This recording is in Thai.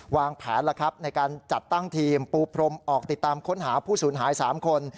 วางแผนแล้วครับในการจัดตั้งทีมปูพรมออกติดตามค้นหาผู้สูญหาย๓คน